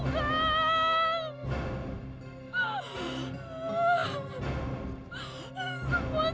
semua salah aku kang